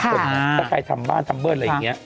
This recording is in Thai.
ถ้าใครทำบ้านทำบ้านอะไรอย่างเงี้ย